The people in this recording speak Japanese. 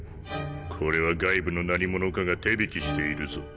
これは外部の何者かが手引きしているぞ。